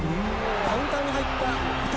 カウンターに入ったイタリア。